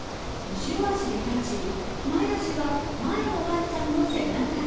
後ろ足で立ち前足は前のわんちゃんの背中に。